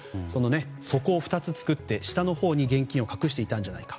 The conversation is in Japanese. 底を２つ作って下のほうに現金を隠していたんじゃないか。